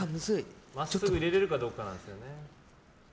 真っすぐ入れられるかどうかなんですよね。